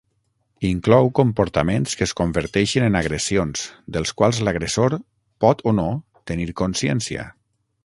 Inclou comportaments que es converteixen en agressions, dels quals l'agressor pot o no tenir consciència.